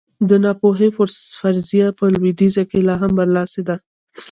د ناپوهۍ فرضیه په لوېدیځ کې لا هم برلاسې ده.